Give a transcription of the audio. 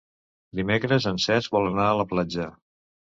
Dimecres en Cesc vol anar a la platja.